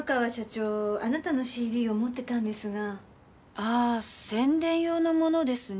ああ宣伝用の物ですね。